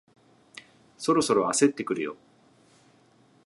そろそろ焦ってくるよ